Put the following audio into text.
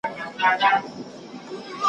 ګل اغزي څانګي اغزي دي ښکاري ایښي دي دامونه ,